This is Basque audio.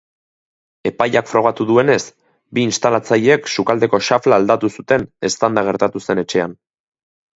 Epaiak frogatu duenez bi instalatzaileek sukaldeko xafla aldatu zuten eztanda gertatu zen etxean.